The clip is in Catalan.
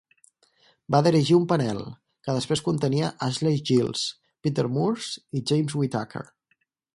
Va dirigir un panel, que després contenia Ashley Giles, Peter Moores i James Whitaker.